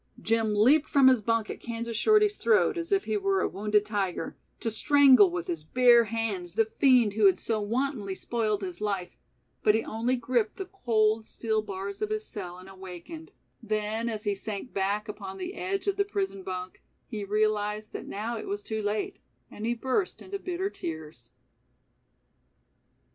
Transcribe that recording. Jim leaped from his bunk at Kansas Shorty's throat, as if he were a wounded tiger, to strangle with his bare hands the fiend who had so wantonly spoiled his life, but he only gripped the cold steel bars of his cell and awakened, then as he sank back upon the edge of the prison bunk, he realized that now it was too late and he burst into bitter tears.